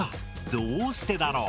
どうしてだろう？